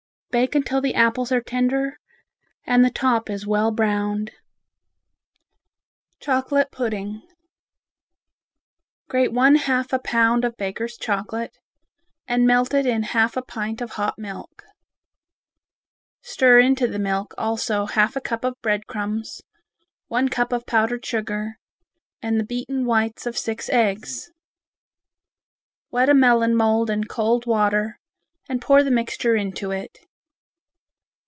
Bake until the apples are tender and the top is well browned. Chocolate Pudding Grate one half a pound of Baker's chocolate, and melt it in half a pint of hot milk. Stir into the milk also half a cup of bread crumbs, one cup of powdered sugar and the beaten whites of six eggs. Wet a melon mould in cold water and pour the mixture into it.